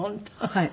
はい。